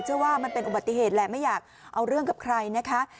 เชื่อว่ามันเป็นอุบัติเหตุแหละไม่อยากเอาเรื่องกับใครนะคะ